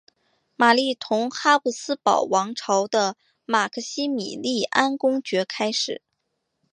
玛丽同哈布斯堡王朝的马克西米利安公爵开始。